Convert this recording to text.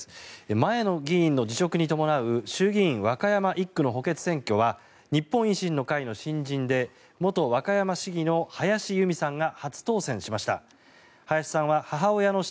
前の議員の辞職に伴う衆議院和歌山１区の補欠選挙は日本維新の会の新人で元和歌山市議の忙しくなるほどはい！